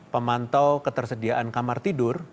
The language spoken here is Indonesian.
pemantau ketersediaan kamar tidur